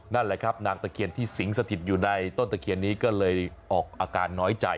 นั่นแหละครับนางตะเคียนที่สิงสถิตอยู่ในต้นตะเคียนนี้ก็เลยออกอาการน้อยใจ